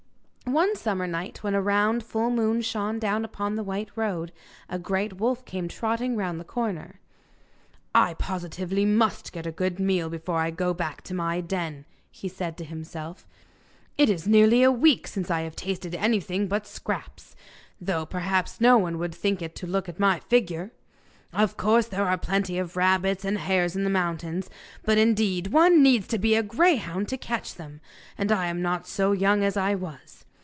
One summer night, when a round full moon shone down upon the white road, a great wolf came trotting round the corner. 'I positively must get a good meal before I go back to my den,' he said to himself; 'it is nearly a week since I have tasted anything but scraps, though perhaps no one would think it to look at my figure! Of course there are plenty of rabbits and hares in the mountains; but indeed one needs to be a greyhound to catch them, and I am not so young as I was!